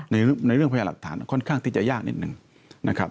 ในเรื่องพยาหลักฐานค่อนข้างที่จะยากนิดหนึ่ง